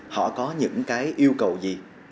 họ có những yêu cầu gì